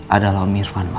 adalah om irfan ma